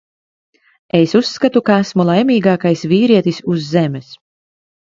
Es uzskatu, ka esmu laimīgākais vīrietis uz Zemes.